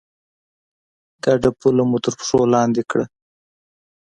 ګډه پوله مو تر پښو لاندې کړه.